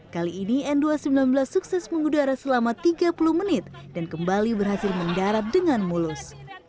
kali ini n dua ratus sembilan belas sukses mengudara selama tiga puluh menit dan kembali berhasil mendarat dengan mulus